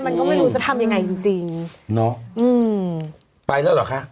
มันก็ไม่รู้จะทำยังไงจริงจริงเนอะอืมไปแล้วเหรอคะ